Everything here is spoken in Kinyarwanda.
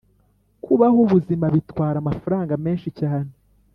kubaho ubuzima bitwara amafaranga menshi cyane.